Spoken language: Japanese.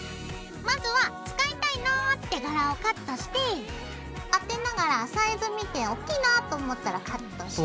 まずは使いたいなって柄をカットして当てながらサイズ見ておっきいなぁと思ったらカットして。